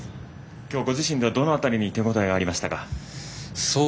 今日、ご自身ではどの辺りに手応えがありましたか？